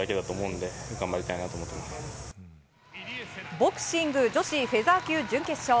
ボクシング女子フェザー級準決勝。